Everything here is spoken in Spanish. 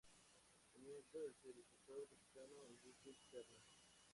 Su nieto es el escritor mexicano Enrique Serna.